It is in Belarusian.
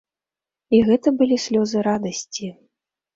І гэта былі слёзы радасці.